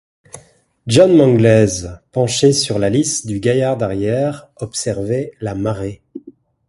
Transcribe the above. John Mangles, penché sur la lisse du gaillard d’arrière, observait la marée.